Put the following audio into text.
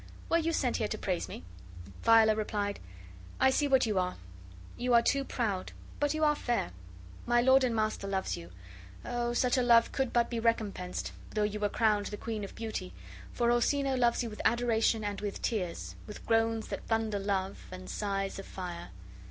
Were you sent here to praise me?" Viola replied, "I see what you are: you are too proud, but you are fair. My lord and master loves you. Oh, such a love could but be recompensed though you were crowned the queen of beauty; for Orsino loves you with adoration and with tears, with groans that thunder love, and sighs of fire."